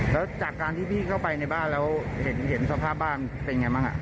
แล้วจากการที่พี่เข้าไปในบ้านแล้วเห็นสภาพบ้านเป็นไงบ้าง